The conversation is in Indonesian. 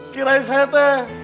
kirain saya teh